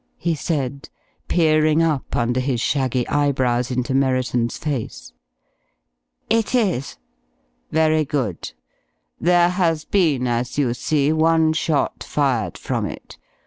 he said, peering up under his shaggy eyebrows into Merriton's face. "It is." "Very good. There has been, as you see, one shot fired from it.